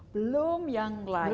belum yang lain